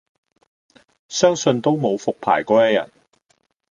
相信都無復牌果一日